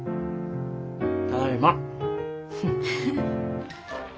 ただいま。